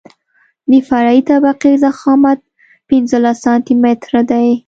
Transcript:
د فرعي طبقې ضخامت پنځلس سانتي متره دی